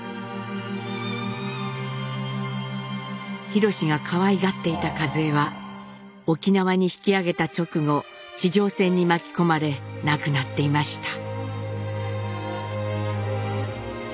廣がかわいがっていたカズエは沖縄に引き揚げた直後地上戦に巻き込まれ亡くなっていました。